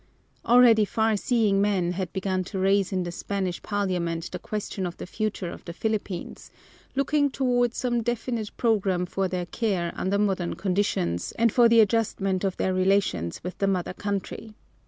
Already far seeing men had begun to raise in the Spanish parliament the question of the future of the Philippines, looking toward some definite program for their care under modern conditions and for the adjustment of their relations with the mother country.